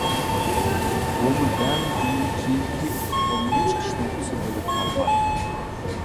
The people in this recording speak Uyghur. بۇمۇ دەل ئۇنىڭ كېيىنكى ئۇتۇقلىرىنىڭ چىقىش نۇقتىسى بولۇپ قالغان.